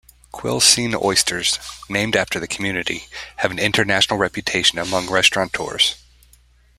Quilcene oysters, named after the community, have an international reputation among restaurateurs.